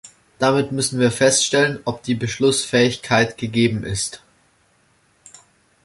Damit müssen wir feststellen, ob die Beschlussfähigkeit gegeben ist.